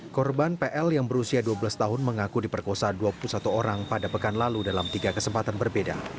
korban pl yang berusia dua belas tahun mengaku diperkosa dua puluh satu orang pada pekan lalu dalam tiga kesempatan berbeda